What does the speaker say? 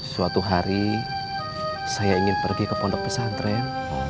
suatu hari saya ingin pergi ke pondok pesantren